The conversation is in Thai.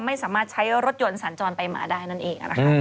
ไม่สามารถใช้รถยนต์สัญจรไปมาได้นั่นเองนะคะ